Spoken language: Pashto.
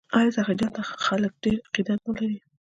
آیا سخي جان ته خلک ډیر عقیدت نلري؟